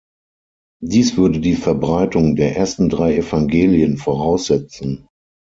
Dies würde die Verbreitung der ersten drei Evangelien voraussetzen.